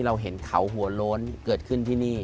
เราเห็นเขาหัวโล้นเกิดขึ้นที่นี่